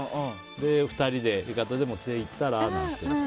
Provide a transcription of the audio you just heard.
２人で浴衣でも着て行ったら？なんて。